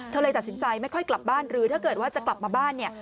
เลยตัดสินใจไม่ค่อยกลับบ้านหรือถ้าเกิดว่าจะกลับมาบ้านเนี่ย